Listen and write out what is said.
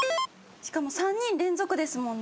しかも３人連続ですもんね。